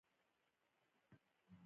ته څومره مالیه ورکوې هر کال؟